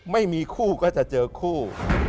ไม่มีคู่ก็จะเจอคู่